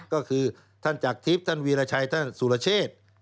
ก็คือท่านจากทิพย์ท่านวีรชัยท่านสุรเชษ